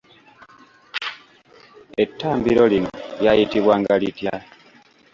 Ettambiro lino lyayitibwanga litya?